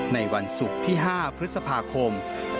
ในวันศุกร์ที่๕พฤษภาคม๒๕๖